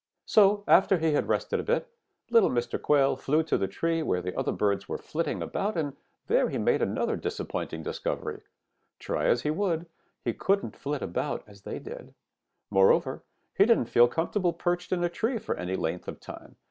"So after he had rested a bit, little Mr. Quail flew to the tree where the other birds were flitting about, and there he made another disappointing discovery. Try as he would, he couldn't flit about as they did. Moreover, he didn't feel comfortable perched in a tree for any length of time.